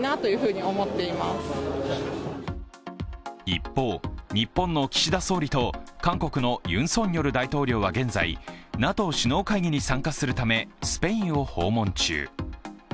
一方、日本の岸田総理と韓国のユン・ソンニョル大統領は現在、ＮＡＴＯ首脳会議に参加するためスペインを訪問中。